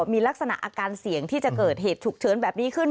มีลักษณะอาการเสี่ยงที่จะเกิดเหตุฉุกเฉินแบบนี้ขึ้น